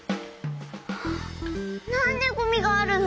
なんでゴミがあるの？